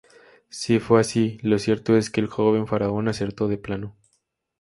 Si fue así, lo cierto es que el joven faraón acertó de pleno.